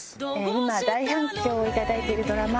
今大反響をいただいているドラマ